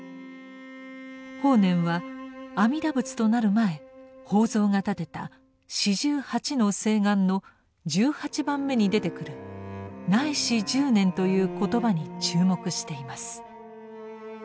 法然は阿弥陀仏となる前法蔵が立てた４８の誓願の１８番目に出てくる「乃至十念」という言葉に注目しています。